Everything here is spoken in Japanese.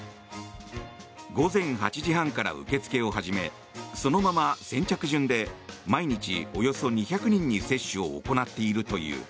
午前８時半から受け付けを始めそのまま先着順で毎日およそ２００人に接種を行っているという。